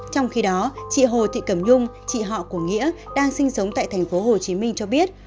trong khi đó chị hồ thị cẩm nhung chị họ của nghĩa đang sinh sống tại thành phố hồ chí minh cho biết